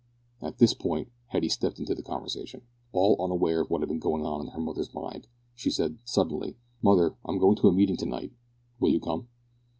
At this point Hetty stepped into the conversation. All unaware of what had been going on in her mother's mind, she said, suddenly, "Mother, I'm going to a meeting to night; will you come?"